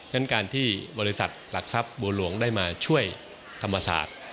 ฉะนั้นการที่บริษัทหลักทรัพย์บัวหลวงได้มาช่วยธรรมศาสตร์